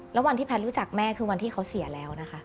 แล้ววันที่แพทย์รู้จักแม่คือวันที่เขาเสียแล้วนะคะ